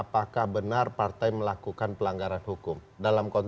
pak prabowo lanjutkan